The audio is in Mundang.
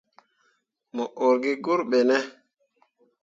Mo ur gi gur ɓene ?